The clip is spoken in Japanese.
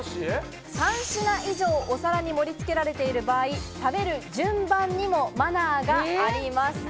３品以上、お皿に盛り付けられている場合、食べる順番にもマナーがあります。